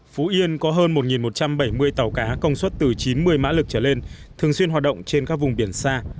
phú yên có hơn một một trăm bảy mươi tàu cá công suất từ chín mươi mã lực trở lên thường xuyên hoạt động trên các vùng biển xa